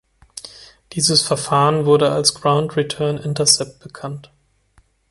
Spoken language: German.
Dieses Verfahren wurde als "Ground Return Intercept" bekannt.